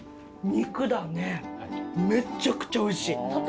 肉だねめっちゃくちゃおいしい。